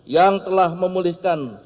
yang telah memulihkan